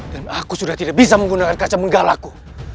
dan aku sudah tidak bisa menggunakan kaca benggalaku